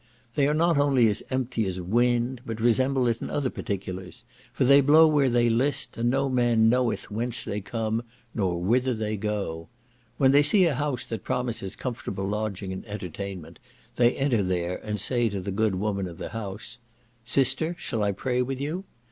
They are not only as empty as wind, but resemble it in other particulars; for they blow where they list, and no man knoweth whence they come, nor whither they go. When they see a house that promises comfortable lodging and entertainment, they enter there, and say to the good woman of the house, "Sister, shall I pray with you?"